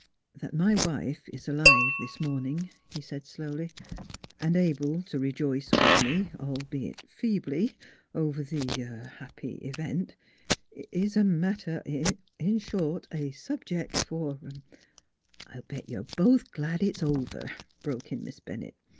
' That my wife is alive this morning," he said slowly, " and able to rejoice with me, albeit feebly, over the er happy event is a a matter in short, a subject for "" I'll bet you're both glad it's over," broke in Miss Bennett.